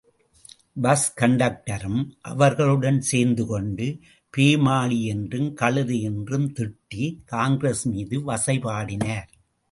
Bus கண்டக்டரும் அவர்களுடன் சேர்ந்து கொண்டு, பேமானி என்றும் கழுதை என்றும் திட்டி, காங்கிரஸ் மீது வசைபாடினார்.